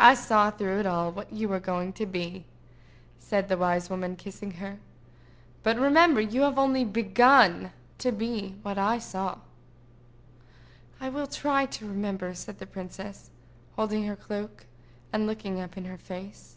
"I saw, through it all, what you were going to be," said the wise woman, kissing her. "But remember you have yet only begun to be what I saw." "I will try to remember," said the princess, holding her cloak, and looking up in her face.